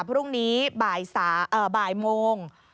พรุ่งนี้บ่ายโมง